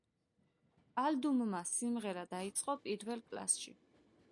პალდუმმა სიმღერა დაიწყო პირველ კლასში.